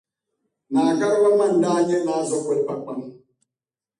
Naa Gariba ma n-daa nyɛ Naa Zokuli Pakpan.